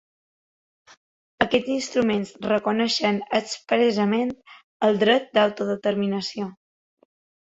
Aquests instruments reconeixen expressament el dret d’autodeterminació.